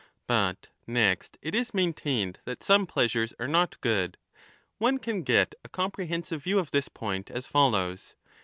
But next it is maintained ^ that some pleasures are not good. One can get a comprehensiv^e view of this point as follows.